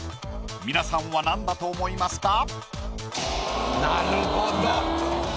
皆さんは何だと思いますか？